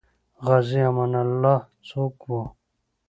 غازي امان الله څوک وو؟